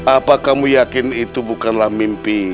apa kamu yakin itu bukanlah mimpi